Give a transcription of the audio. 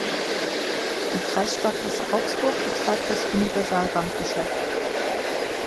Die Kreissparkasse Augsburg betreibt das Universalbankgeschäft.